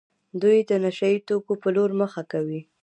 دوی د نشه يي توکو په لور مخه کوي.